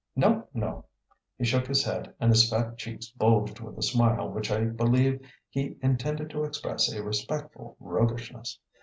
"No, no!" He shook his head and his fat cheeks bulged with a smile which I believe he intended to express a respectful roguishness.